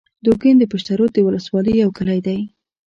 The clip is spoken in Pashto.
دوکین د پشترود د ولسوالۍ یو کلی دی